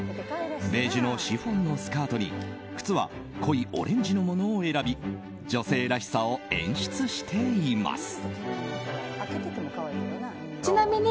ベージュのシフォンのスカートに靴は濃いオレンジのものを選び女性らしさを演出しています。